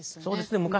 そうですね。